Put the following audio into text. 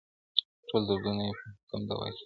ټول دردونه یې په حکم دوا کېږي-